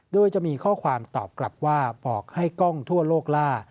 โดยจะมีข้อความตอบกลับว่าบอกให้กล้องทั่วโลกล่า